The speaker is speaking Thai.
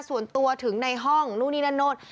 ส่วนตัวถึงในห้องนู่นนี่นั่นนู่น